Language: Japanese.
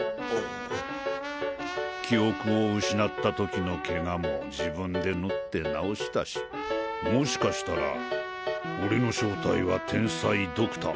記憶を失った時のケガも自分で縫って治したしもしかしたら俺の正体は天才ドクター？